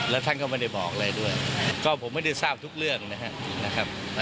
แล้วท่านก็ไม่ได้บอกอะไรด้วยก็ผมไม่ได้ทราบทุกเรื่องนะครับ